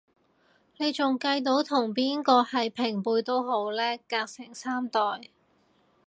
你仲計到同邊個係平輩都好叻，隔成三代